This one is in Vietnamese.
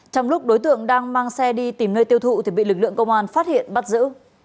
trong lúc đối tượng đang mang xe đi tìm nơi tiêu thụ thì bị lực lượng công an phát hiện bắt giữ